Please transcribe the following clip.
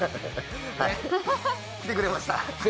ハハハ、来てくれました。